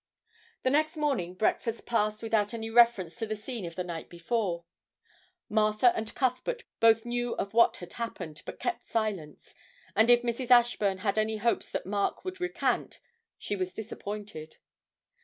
The next morning breakfast passed without any reference to the scene of the night before; Martha and Cuthbert both knew of what had happened, but kept silence, and if Mrs. Ashburn had any hopes that Mark would recant, she was disappointed.